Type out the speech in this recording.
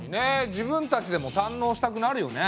自分たちでも堪能したくなるよね。